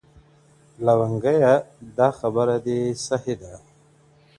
• لونگيه دا خبره دې سهې ده.